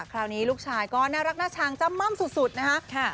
คราวนี้ลูกชายก็น่ารักหน้าชางจะม่ำสุดนะครับ